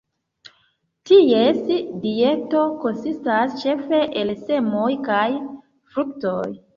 Ties dieto konsistas ĉefe el semoj kaj fruktoj.